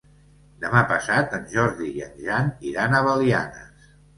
Demà passat en Jordi i en Jan iran a Belianes.